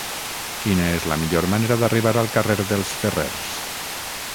Quina és la millor manera d'arribar al carrer dels Ferrers?